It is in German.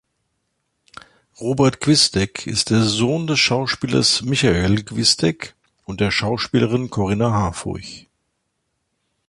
Robert Gwisdek ist der Sohn des Schauspielers Michael Gwisdek und der Schauspielerin Corinna Harfouch.